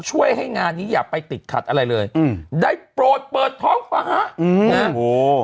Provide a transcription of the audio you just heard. ช่วยให้งานนี้อย่าไปติดขัดอะไรเลยอืมได้โปรดเปิดท้องฟ้าอืมนะโอ้โห